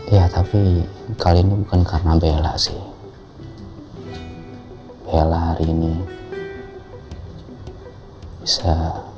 ya tapi kali ini bukan karena bela sih bella hari ini bisa